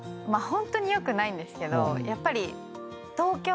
ホントに良くないんですけどやっぱり東京。